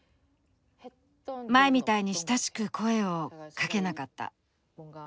前みたいに親しく声をかけなかった。